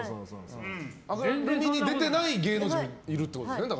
出てない芸能人もいるってことですよね。